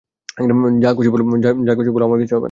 যা খুশি বলো, আমার কিছু হবে না।